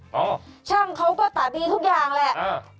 ช่างเขาก็สามีทุกอย่างแหละ